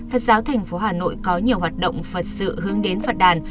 phật giáo tp hà nội có nhiều hoạt động phật sự hướng đến phật đàn